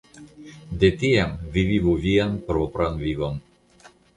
De tiam vi vivu vian propran vivon.